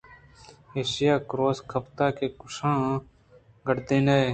ایشاں کُروس گپت کہ کُشان ءُ گرٛادانے